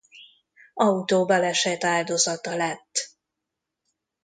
Autóbaleset áldozata lett.